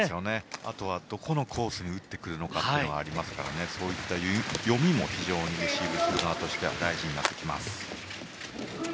あとは、どこのコースに打ってくるかというのもありますからそういった読みも非常にレシーブする側としては大事になってきます。